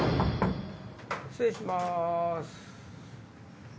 失礼します。